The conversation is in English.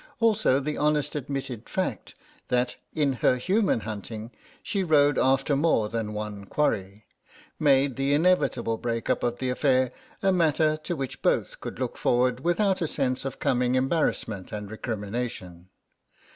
Also the honestly admitted fact that, in her human hunting, she rode after more than one quarry, made the inevitable break up of the affair a matter to which both could look forward without a sense of coming embarrassment and recrimination.